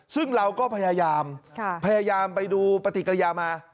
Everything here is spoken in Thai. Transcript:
ซึ่งเราก็พยายามพยายามไปดูปฏิกิริยามา